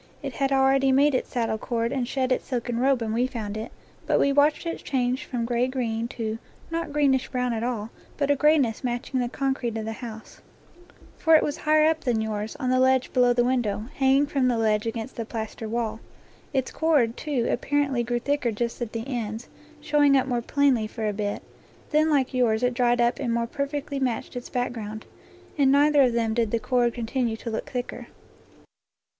It had already made its saddle cord and shed its silken robe when we found it, but we watched it change from gray green to, not green ish brown at all, but a grayness matching the concrete of the house; for it was higher up than yours, on the ledge below the window, hanging from the ledge against the plaster wall. Its cord, too, apparently grew thicker just at the ends, showing up more plainly for a bit; then like yours it dried up and more perfectly matched its back ground. In neither of them did the cord continue to look thicker.